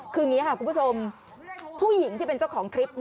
คืออย่างนี้ค่ะคุณผู้ชมผู้หญิงที่เป็นเจ้าของคลิป